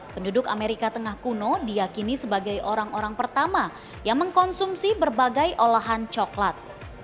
penduduk amerika tengah kuno diakini sebagai orang orang pertama yang mengkonsumsi berbagai olahan coklat